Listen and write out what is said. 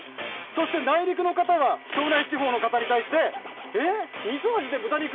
そして内陸の方は庄内地方の方に対して、え、みそ味で豚肉？